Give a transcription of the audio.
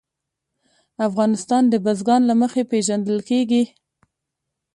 افغانستان د بزګان له مخې پېژندل کېږي.